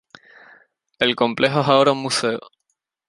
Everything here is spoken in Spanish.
El complejo es ahora un museo.